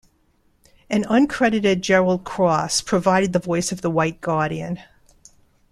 An uncredited Gerald Cross provided the voice of the White Guardian.